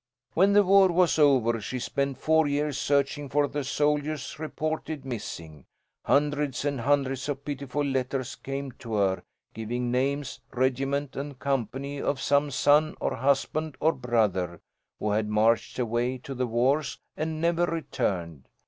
"When the war was over, she spent four years searching for the soldiers reported missing. Hundreds and hundreds of pitiful letters came to her, giving name, regiment, and company of some son or husband or brother, who had marched away to the wars and never returned.